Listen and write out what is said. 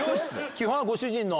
基本はご主人の。